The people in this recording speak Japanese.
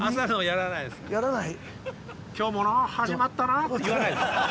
「今日もなあ始まったなあ」って言わないです。